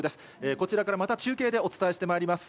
こちらからまた中継でお伝えしてまいります。